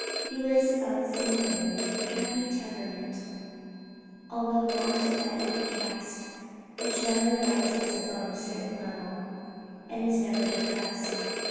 He was of a singularly happy temperament, although not of that even cast, which never rises above a certain level, and is never depressed.